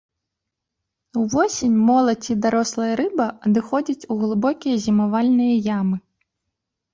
Увосень моладзь і дарослая рыба адыходзіць у глыбокія зімавальныя ямы.